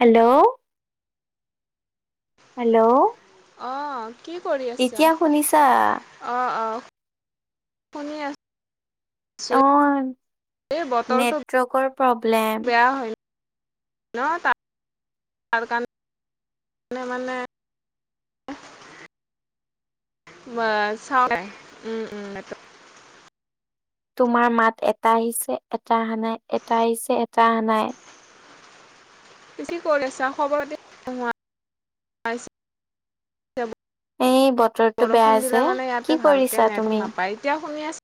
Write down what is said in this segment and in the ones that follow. Hello hello অঁ ইতিয়া শুনিছা। অ অ শুনি আছো। অঁ এই বতৰটো নেটৱৰ্কৰ প্ৰব্লেম। বেয়া হয় ন তা তাৰ কাণ নে মানে ময় চাওঁ নাই উম উম। তোমাৰ মাত এটা আহিছে এটা অহা নাই এটা আহিছে এটা অহা নাই। বেছি কৰেছা খবৰ দি। এই বতৰটো বেয়া বৰষুণ যে দিলে মানে কি ইয়াতে কৰিছা ভালকে তুমি নেটক নাপায় এতিয়া শুনি আছো।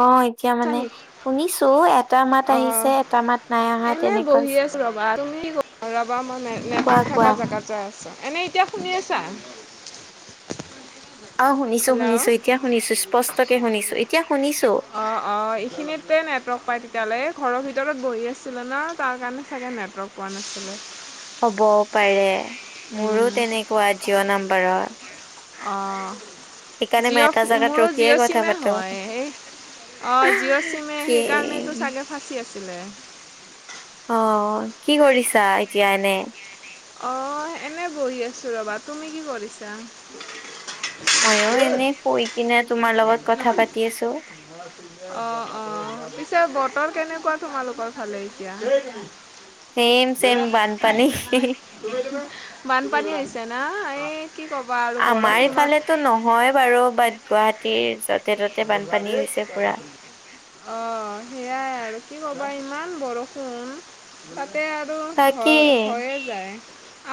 অঁ ইত তিয়া আছা মানে নেকি শুনিছো এটা মাত আহিছে অঁ এটা মাত নাই অহা এনেই তেনেকুৱা বহি ছ আছোঁ ৰ'বা তুমি কি কৰি- ৰবা ময় নে নেটৰ্ থকা জেগাত যায় আছো এনেই এতিয়া শুনি আছা। অঁ শুনিছো শুনিছো হেল্ল' এতিয়া শুনিছো স্পষ্টকে শুনিছো এতিয়া শুনিছো। অ এইখিনিতে নেটৱৰ্ক পায় তেতিয়ালে ঘৰৰ ভিতৰত বহি আছিলো ন তাৰ কাৰণে চাগে নেটৱৰ্ক পোৱা নাছিলে। হ'বও পাৰে মোৰো তেনেকুৱা জিঅ নাম্বাৰত। অঁ এটা জিঅ' জেগাত মোৰো ৰখিয়ে জিঅ' কথা চিমেই পাতো হয় এই অঁ জিঅ' চিমে কি সেইকাৰণেটো চাগে ফাঁচি আছিলে। অঁ অ কি কৰিছা এতিয়া এনে? অ অ এনেই বহি আছোঁ ৰ'বা, তুমি কি কৰিছা? ময়ো এনেই কৈ কিনে তোমাৰ লগত কথা পাতি আছো। [unintelligible] অ অ পিছে বতৰ কেনেকুৱা তোমালোকৰ ফালে এতিয়া? চেম চেম বানপানী। বানপানী হৈছে না এই কি ক'বা আৰু বৰষুণত। হয় বাৰু বাট গুৱাহাটীৰ য'তে ততে বানপানী হৈছে পুৰা। অ সেইয়াই আৰু কি ক'বা ইমান বৰষুণ। তাতে আৰু তাকে হয় হৈয়ে যায়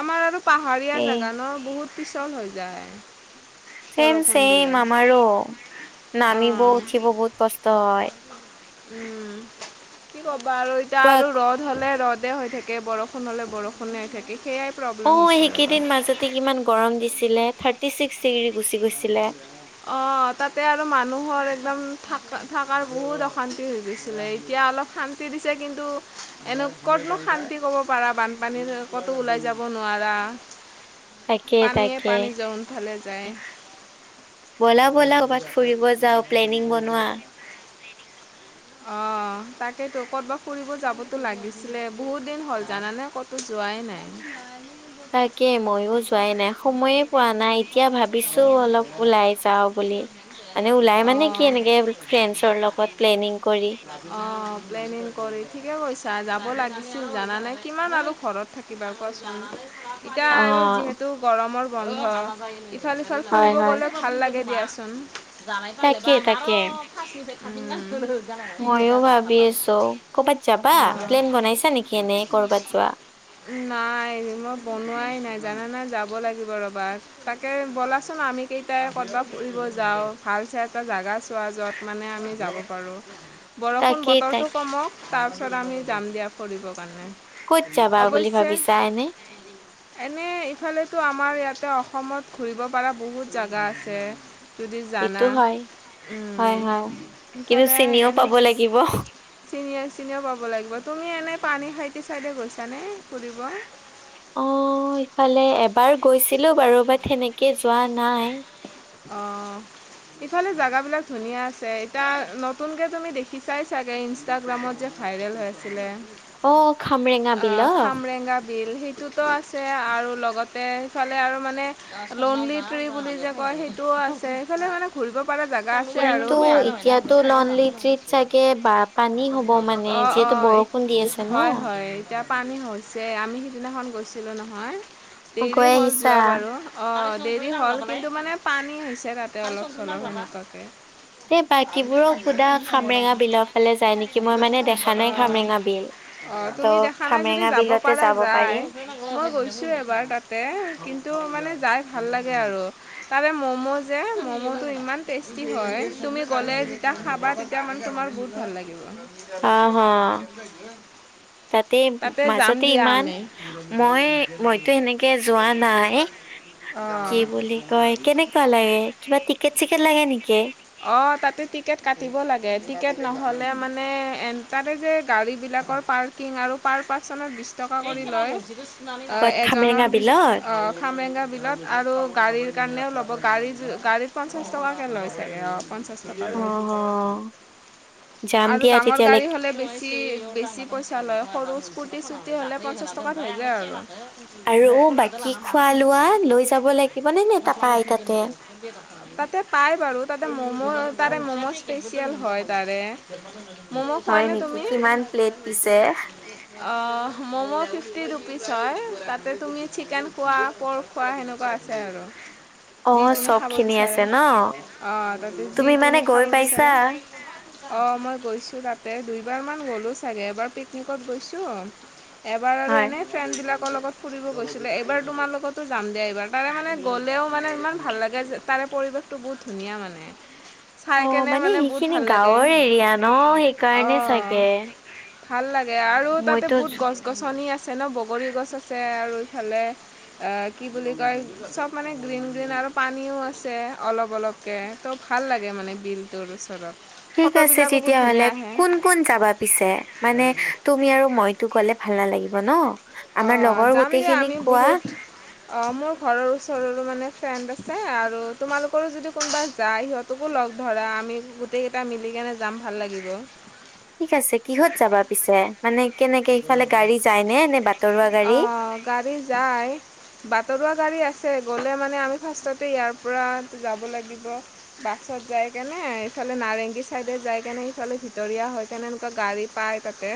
আমাৰ আৰু পাহাৰীয়া এ জাগা ন? বহুত পিছল হৈ যায়। চছেম বৰষুণ দিলে। চছেইম আমাৰো, অ' নামিব উঠিব বহুত কষ্ট হয়। উম, কি কবা আৰু এতিয়া কোৱা আৰু ৰ'দ ৰ'দ হ'লে ৰ'দে হৈ থাকে, বৰষুণ হ'লে বৰষুণে হৈ থাকে, সেয়াই অ প্ৰব্লেম হৈছে ৰ'বা। সেইকেইদিন মাজতে কিমান গৰম দিছিলে, থাৰ্টি ছিক্স ডিগ্ৰী গুচি গৈছিলে। অ তাতে আৰু মানুহৰ একদম থ থকাৰ বহুত অশান্তি হৈ গৈছিলে, এতিয়া অলপ শান্তি দিছে কিন্তু, এনে ক'তনো শান্তি ক'ব পাৰা বানপানী ক'তো ওলাই যাব নোৱাৰা। তাকে পানীয়ে তাকে পানী যোনফালে যায়। বলা বলা কৰ'বাত ফুৰিব যাওঁ, প্লেনিং বনোৱা অঁ তাকেতো ক'ৰবাত ফুৰিব যাবতো লাগিছিলে, বহুত দিন হ'ল জানানে ক'ত যোৱাই নাই। তাকে মইয়ো যোৱাই নাই, সময়ে পোৱা নাই, এতিয়া ভাবিছো অলপ ওলাই যাওঁ। বুলি মানে ওলাই মানে কি অঁ এনেকে ফ্ৰেণ্ডছৰ লগত প্লেনিং কৰি। অ, প্লেনিং কৰি ঠিকে কৈছা যাব লাগিছিল জানানে? কিমান আৰু ঘৰত থাকিবা কোৱাচোন? অ টো গৰমৰ বন্ধ, ইফাল সিফাল হয় ফুৰিব হয় গলে ভাল লাগে দিয়াচোন। জাই পালিলাই তাকে বাা আ তাকে। আৰ আৰু পাঁ্ষচ নিফ খামহি গাছিল [unintelligible] মইয়ো ভাবি আছো, কৰ'বাত যাবা প্লেন বনাইছা নেকি এনে কৰ'বাত যোৱা? নাই মই বনোৱাই নাই জানানে, যাব লাগিব ৰবা তাকে, বলাচোন আমি কেইটাই ক'ৰবাত ফুৰিব যাওঁ, ভাল চাই এটা জাগা চোৱা য'ত মানে আমি যাব পাৰোঁ। [inaudible] বৰষুণ তাক বতৰটো কমক তাৰপিছত আমি যাম দিয়া ফৰিবৰ কাৰণে। ক'ত যাবা বুলি ভাবিছা এনে? এনে ইফালেতো আমাৰ ইয়াতে অসমত ঘূৰিব পৰা বহুত জেগা আছে। যদি জানা, এইটো হয় হয় হয় কিন্তু কোনফালে চিনিও এনে পাব লাগিব। অ' চিনিয়ে চিনিয়ো পাব লাগিব, তুমি এনেই পানী খাইটি চাইডে গৈছানে ফুৰিব? অ, ইফালে এবাৰ গৈছিলো বাৰু বাত সেনেকে যোৱা নাই। অ ইফালে জাগা বিলাক ধুনীয়া আছে, এতিয়া নতুনকে তুমি দেখি চাই চাগে ইষ্টাগ্ৰামত যে ভাইৰেল হৈ আছিলে? অ খামৰেঙা বিলত খামৰেগা বিল তুতো আছে আৰু লগতে সিফালে আৰু মানে লোনলিটি বুলি যে কয় সেই আছে, সেইফালে মানে কিবা এটা জাগাত আছে আৰু, কিন্তু এতিয়াতো লনলি ট্ৰিত চাগে বা পানী হ'ব মানে অ অ যিহেতু বৰষুণ দি আছে ন। হয় হয়। এতিয়া পানী হৈছে, আমি সিদিনাখন গৈছিলো নহয়, দেৰি গৈ হ'ল আহিছা? যোৱা বাৰু। অ দেৰি হল কিন্তু মানে পানী হৈছে তাতে অলপ চলপ সনেকাকে। এ বাকীবোৰক সোধা খামৰেঙা বিলৰ ফালে যায় নেকি? মই মানে দেখা নাই খামৰেঙা বিল অ ত তুমি দেখা নাই যদি খামৰেঙা যাব বিলতে পাৰা যায়, পাৰিম। মই গৈছো এবাৰ তাতে কিন্তু মানে যাই ভাল লাগে আৰু। তাৰে ম'ম' যে ম'ম'টো ইমান টেষ্টি হয়, তুমি গ'লে যেতিয়া খাবা তেতিয়া মানে তোমাৰ বহুত ভাল লাগিব। হা হা তাতে যাম মাজতে দিয়া ইমান আমি মই মইতো সেনেকে যোৱা নাই। এ কি বুলি কয় অঁ কেনেকুৱা লাগে কিবা টিকেট চিকেট লাগে নেকি? অ তাতে টিকেট কাটিব লাগে টিকেট নহ'লে মানে এ তাৰে যে গাড়ী বিলাকৰ পাৰ- কিংনাৰু আৰু পাৰ পাৰ্চন বিশ টকা কৰি লয় ক'ত খামৰেঙা এজনৰ বিলত অ খামেৰেঙা বিলত আৰু গাড়ীৰ কাৰণেও লব গাড়ী গাড়ীত পঞ্চাছ- টকাকে লৈছোগে অ পঞ্চাশ, অ অ যাম আৰু দিয়া ডাঙৰ তেতিয়ালে গাড়ী হলে বেছি। বেছি পইচা লয় সৰু স্ফু্তি চু্তি হ'লে পঞ্চাশ টকাত হৈ যায়। আৰু আৰু বাকী খোৱা লোৱা লৈ যাব লাগিব নে নে তাৰ আই তাতে স তাতে পাই বাৰু তাতে মম' তাৰে ম'ম' স্পেচিয়েল হয়। তাৰে- ম'ম' খোৱা হয় নে নেকি, তুমি? কিমান প্লেট পিছে? অ মম' ফিফটি ৰুপিচ হয়। তাতে তুমি চিকেন খোৱা প‍ৰক খোৱা সেনেকুৱা আছে। আৰু যি অ', তুমি চব খাব খিনি আছে বিচাৰে ন? অ তাতে যি মানে তুমি গৈ খাব পাইছা? বিচাৰে। [inaudible] অঁ মই গৈছোঁ তাতে দুইবাৰমান গ'লোঁ চাগে এবাৰ পিকনিকত গৈছোঁ। এবাৰ আৰু হয়। এনেই ফ্ৰেণ্ড বিলাকৰ লগত ফুৰিব গৈছো। এইবাৰ তোমাৰ লগতো যাম দিয়া এইবাৰ তাৰে মানে গ'লেও মানে ইমান ভাল লাগে যে তাৰে পৰিৱেশ- বহুত ধুনীয়া মানে। চাই অ কেনে মানে বহুত সেইখিনি ভাল লাগে গাঁৱৰ এৰিয়া ন সেইকাৰণে চাগে। অঁ ভাল লাগে আৰু তাতে মইতো বহুত যো- গছ -গছনি আছে ন বগৰী, গছ আছে। আৰু ভালেই। অ কি বুলি কয় চব মানে গ্ৰীণ গ্ৰীণ আৰু পানীও আছে অলপ -অলপ তাকে ত ভাল লাগে মানে বিলটোৰ ওচৰত ঠিক আছে ফটোবিলাকো বহুত তেতিয়াহলে ধুনীয়া আহে কোন কোন যাবা পিছে মানে তুমি আৰু মইতো গলে ভাল নালাগিব। ন আমাৰ অঁ লগৰ গোটেইখিনিক কোৱা? অ মোৰ ঘৰৰ ওচৰৰো মানে ফ্ৰেণ্ড আছে। আৰু তোমালোকৰো যদি কোনোবা যায় সিহঁত তোকো লগ ধৰা আমি গোটেইকেইটা মিলি কেনে যাম ভাল লাগিব। ঠিক আছে কিহত যাবা পিছে মানে কেনেকে ইফালে গাড়ী যায় নে নে বাট অ গাড়ী যায়। বাটৰুৱা গাড়ী আছে গ'লে মানে আমি ফাৰ্ষ্টতে ইয়াৰ পৰা যাব লাগিব। বাছত যাই কেনে ইফালে নাৰেংগী চাইডে যাই কেনে সফালে ভিতৰীয়া হয়। কেনে এনেকুৱা গাড়ী পাই। তে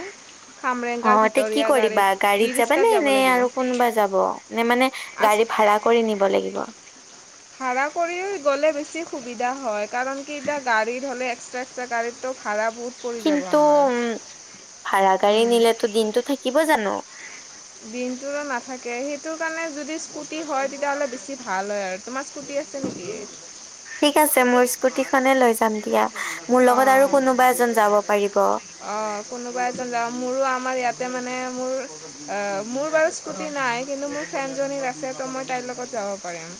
কামৰেংগ ভিতৰীয়া গাড়ীত ইৰ মানে এনে আৰু কোনোবা যাব নে মানে আচ গাড়ী ভাড়া কৰি নিব লাগিব। ভাড়া কৰি গ'লে বেছি সুবিধা হয় কাৰণ কি এতিয়া গাড়ীত হলে একট্ৰা এক্সট্ৰা গাড়ীত ভাড়া বহুত পৰি যাব কিন্তু আমাৰ উম ভাড়া গাড়ী নিলেতো দিনটো থাকিব জানো। দিনটো নাথাকে সেইটো কাৰণে যদি স্কুটি হয় তেতিয়াহ'লে বেছি ভাল হয়। আৰু তোমাৰ স্কুটি আছে নেকি? [inaudible] ঠিক আছে মোৰ স্কুটি খনে লৈ যাম দিয়া মোৰ লগত আৰু কোনোবা এজন যাব পাৰিব। অ কোনোবা এজন যাব মোৰো আমাৰ ইয়াতে মানে মোৰ- মোৰ বাৰু স্কুটি নাই কিন্তু মোৰ ফ্ৰেণ্ডজনী আছে ত' মই তাইৰ লগত যাব পাৰিম।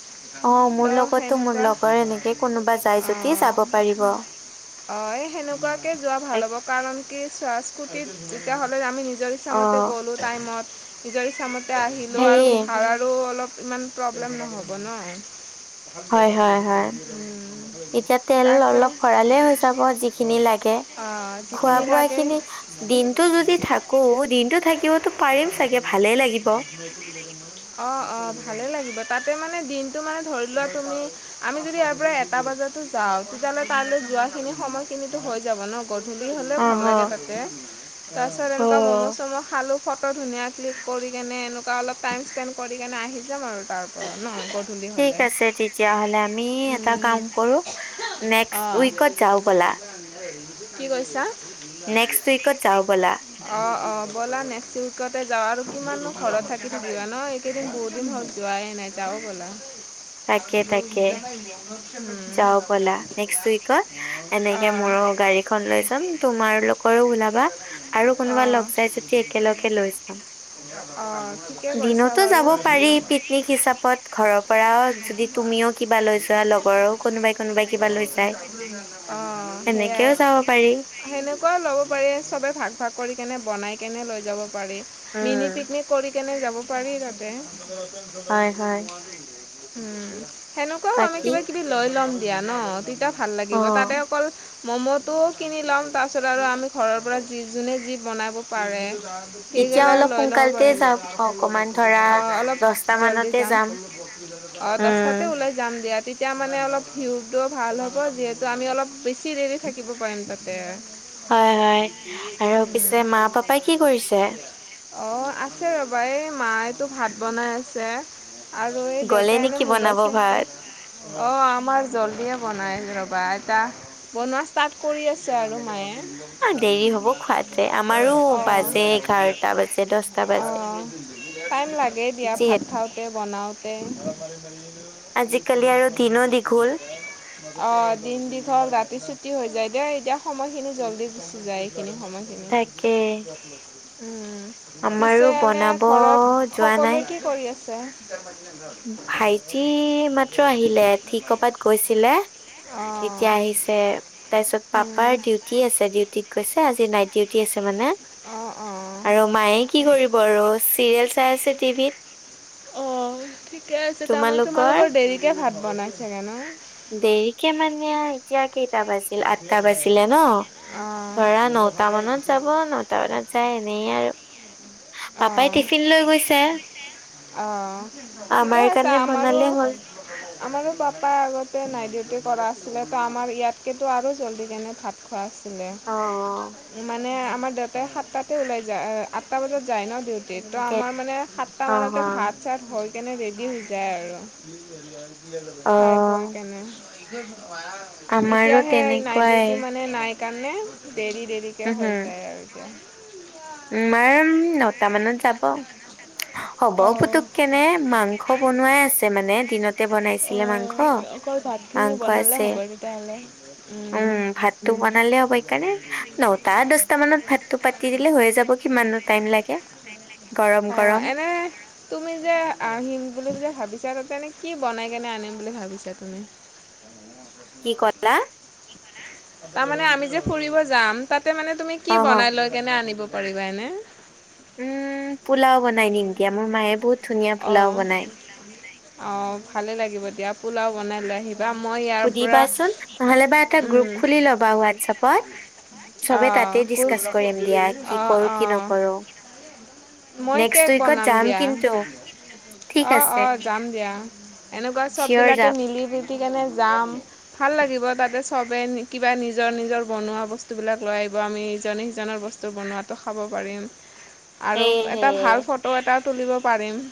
অ মোৰ তো লগতো মোৰ সেনেকুৱা লগৰ এনেকে কোনোবা যায় যদি যাব পাৰিব। অ এ সেনেকুৱাকে যোৱা ভাল এক- হ'ব কাৰণ কি চোৱা স্কুটিত যেতিয়া হলে আমি নিজৰ অ ইচ্ছামতে গ'লোঁ টাইমত, নিজৰ ইচ্ছামতে, আহিলোঁ হেৰি আৰু ভাড়াৰো অলপ ইমান প্ৰব্লেম নহ'ব ন'! [unintelligible] অ'! হয় হয় হয় এতিয়া তেল অলপ ভৰালে হৈ যাব যিখিনি লাগে খোৱা যিখিনি লাগে, [unintelligible] অ'! দিনটো থাকিবতো পাৰিম চাগে, ভালে লাগিব! অ' অ'! ভালে লাগিব, তাতে মানে, দিনটো মানে, ধৰি লোৱা তুমি, আমি যদি, ইয়াৰ পৰা এটা বজাতো যাওঁ, তেতিয়াহ'লে, তালৈ যোৱাখিনি সময়খিনিতো হৈ যাব ন'। গধূলি হ'লেও ভাল অহ লাগে, তাতে। তাৰপিছত, অ হ এনেকুৱা ম'ম'-চ'ম' খালোঁ। ফটো ধুনীয়া ক্লিক কৰি কেনে, এনেকুৱা অলপ টাইম স্পেণ্ড কৰি কেনে, আহি যাম আৰু তাৰ পৰা ন'! গধূলি ঠিক হ'লে আছে, তেতিয়া হ'লে। আমি এটা কাম কৰোঁ, নেক্সট অঁ উইকত যাওঁ ব'লা? কি কৈছা? নেক্সট উইকত নেক্সট উইকত যাওঁ ব'লা। অ' অ'! ব'লা নেক্সট উই ওচৰতে যাওঁ আৰু। কিমাননো ঘৰত থাকি, থাকিবা ন'! এইকেইদিন বহুতদিন হ'ল যোৱাই নাই। যাওঁ ব'লা? তাকে তাকে [unintelligible] যাওঁ ব'লা, নেক্স উইকত? এনেকে, ব'লা মোৰো গাড়ী খন লৈ যাম, তোমাৰ লগত। [unintelligible] ওলাবা আৰু অঁ কোনোবা লগ যাই যদি, একেলগে লৈ যাম। [unintelligible] অ'! দিনতো যাব পাৰি, পিকনিক হিচাপত! ঘৰৰ পৰা, যদি তুমিও, কিবা লৈ যোৱা, লগ লগৰো কোনোবাই-কোনোবাই কিবা লৈ যায়, সেনেকেও যাব পাৰি। সেনেকুৱাও ল'ব পাৰি, চবে ভাগ-ভাগ কৰি কেনে, বনাই কেনে, লৈ যাব পাৰি। মিনি উম। পিকনিক কৰি কেনে, যাব পাৰি তাতে। উম! হয় হয় সেনেকুৱাও আমি বাকী কিবা-কিবি লৈ ল'ম দিয়া ন' তেতিয়া ভাল অ লাগিব! তাতে অকল ম'ম'টোও কিনি ল'ম। তাৰপিছত আৰু আমি ঘৰৰ পৰা, যি যোনে, যি বনাব পাৰে। তেতিয়া সেইবিলাক অলপ লৈ ল'ব সোনকালতে পাৰিম। যাম অকমান ধৰা অ'! অলপ দছটা জলদি মানতে যাম। অ'! উম, দহটাতে ওলাই যাম দিয়া। তেতিয়া মানে অলপ, ভিউটো ভাল হ'ব! যিহেতু, আমি অলপ, বেছি দেৰি থাকিব পাৰিম তাতে। হয়, হয়! আৰু পিছে, মা-পাপাই কি কৰিছে? অ'! আছে ৰ'বা, এই মায়েতো ভাত বনাই আছে। আৰু এই গ'লে দেউতা নেকি এনেই, মোবাইল বনাব চাইছে। ভাত? অ'! আমাৰ জলদিয়ে বনাই। ৰ'বা এতিয়া, বনোৱা ষ্টাৰ্ট কৰি আছে আৰু মায়ে। অ'! দেৰি হব খোৱাতে, আমাৰো বাজে এঘাৰটা বাজে। দছটা বাজে। অ'! টাইম লাগে দিয়া, ভাত যিহেত খাওঁতে, বনাওঁতে। [unintelligible] আৰু দিনো দীঘল [unintelligible] অ'! দিন দীঘল, ৰাতি চুটি হৈ যায়। দেই এতিয়া, সময়খিনি জলদি গুচি যায়, এইখিনি সময়। তাকে [unintelligible] উম, উম। আমাৰো পিছে এনে, বনাব ঘৰত যোৱা নাই। সকলোৱে কি কৰি আছে? ভাইটি, ‌ এইমাত্ৰ আহিলে। সি ক'ৰবাত গৈছিলে। অ', এতিয়া, আহিছে। তাৰপিছত, পাপাৰ উম, ডিউটি আছে, ডিউটিত গৈছে। আজি নাইট ডিউটি আছে, মানে। অ', অ'। আৰু মায়ে, কি কৰিব আৰু চিৰিয়েল চাই আছে, টিভিত। অ'! ঠিকে আছে। তাৰমানে, তোমালোকৰ দেৰিকে ভাত বনাই চাগে ন'? দেৰিকে মানে, এতিয়া, কেইটা বাজিল, আঠটা বাজিলে অ', ন' ধৰা, নটা মানত যাব। ন নটা মানত যায় এনেই আৰু পাপাই অ', টিফিন লৈ গৈছে। অ'! ঠিকে আমাৰ আছে, কাৰণে আমাৰো। বনালে হ'ল আমাৰো পাপা আগতে নাইট ডিউটি কৰা আছিলে, ত আমাৰ ইয়াত- কিন্তু আৰু জল্দি কেনে ভাত খোৱা আছিলে, অ মানে আমাৰ দেউতাই সাতটাত- ওলাই যায় আঠটা বজাত যায় ন ডিউটিত, ত আমাৰ মানে সাতটা অ অ মানতে ভাত চাত- হৈ কেনে ৰেডি হৈ যায় আৰু, অ খাই পৈ কেনে। আমাৰো এতিয়া হে নাইট তেনেকুৱাই ডিউটি মানে নাইট- সেইকাৰণে দেৰি দেৰিকৈ হৈ যায় আৰু এতিয়া। মায়ে নটা মানত যাব, হ'ব অঁ পুতুককে। মানে মাংস বনোৱাই আছে মানে দিনত- তে বনাইছিলে অঁ মাংস, মাংস আছে। ভালে। উম ভাতটো বনালে হ'ব। সেইকাৰণে নটা দছটা মানত ভাতটো পাতি দিলে হৈয়ে যাব, কিমাননো টাইম লাগে গৰম অঁ গৰম। এনে তুমি যে আহিম বুলি যে ভাবিছা, তাতেনো কি! বনাই কেনে আনিম বুলি ভাবিছা তুমি? কি ক'লা তাৰমানে আমি যে ফুৰিব যাম, তাতে মানে তুমি কি অহ বনাই লয়- কেনে আনিব পাৰিবা এনে? উম পোলাও বনাই নিম কিয়া। মোৰ মায়ে বহুত- ধুনীয়া পোলাও অঁ বনাই। অঁ ভালেই লাগিব দিয়া। পোলাও বনাই লৈ আহিবা, মই ইয়াত- সুধিবাচোন, নহ'লে বা এটা গ্ৰুপ খুলি ল'বা হোৱাটছএপত। চবে অহ, তাতে ডিচকাচ কৰিম দিয়া কি অহ, কৰো কি অহ। নকৰো। মই নেক্সট কেক উইকত বনাম যাম দিয়া। কিন্তু ঠিক অঁ আছে অঁ যাম দিয়া। এনেকুৱা চব চিয়ৰ বিলাকে যাম মিলি- কেনে যাম, ভাল লাগিব তাতে চবেই কিবা নিজৰ নিজৰ বনোৱা বস্তু- বস্তুবিলাক লৈ আহিব, আমি ইজনে সিজনৰ বস্তু বনোৱাতো খাব পাৰিম। আৰু এটা সেয়েহে ভাল ফটো এটা তুলিব পাৰিম।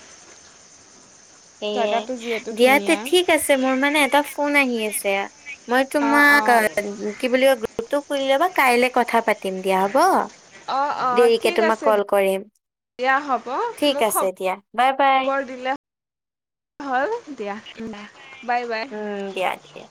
এ জেগাটো যিহেতু দিয়াতে ধুনীয়া। ঠিক- ঠিক আছে, মোৰ মানে এটা ফোন আহি আছে, মই অ', তোমাক অ', কি বুলি কয়- গ্ৰুপটো খুলি লবা, কাইলে কথা পাতি- তিম দিয়া হ'ব, অ', অ', দেৰিকে ঠিক তোমাক আছে কল কৰিম। দিয়া হ'ব, ঠিক মোক আছে খব দিয়া বাই বাই খবৰ দিলে- হল দিয়া, উম। উম দিয়া ঠিকেই।